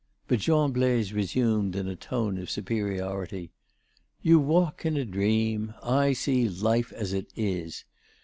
But Jean Blaise resumed in a tone of superiority: "You walk in a dream; I see life as it is.